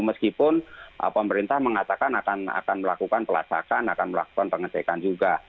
meskipun pemerintah mengatakan akan melakukan pelasakan akan melakukan pengecekan juga